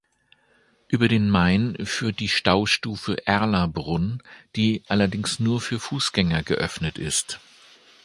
Über den Main führt die Staustufe Erlabrunn, die allerdings nur für Fußgänger geöffnet ist.